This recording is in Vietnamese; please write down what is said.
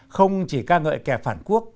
không chỉ ca ngợi kẻ phản quốc